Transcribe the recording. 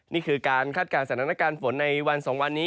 นี่คือการคาดการณ์สถานการณ์ฝนในวัน๒วันนี้